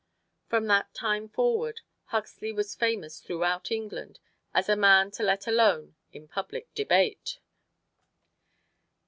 From that time forward Huxley was famous throughout England as a man to let alone in public debate.